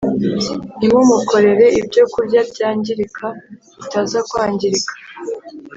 Ntimumukorere ibyokurya byangirika bitaza kwangirika